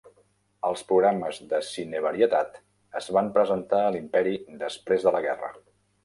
Els programes de "cine-varietat" es van presentar a l'Imperi després de la guerra.